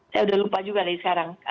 saya sudah lupa juga dari sekarang